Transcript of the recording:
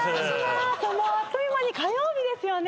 もうあっという間に火曜日ですよね。